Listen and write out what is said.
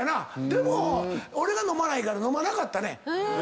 でも俺が飲まないから飲まなかったね